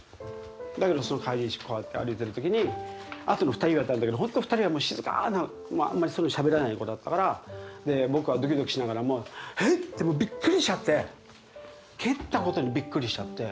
だけど帰り道こうやって歩いてる時にあとの２人がいたんだけど本当２人は静かなもうあんまりしゃべらない子だったからで僕はドキドキしながらも「へ！？」ってもうびっくりしちゃって蹴ったことにびっくりしちゃって。